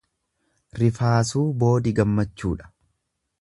Rifaasuu boodi gammachuudha.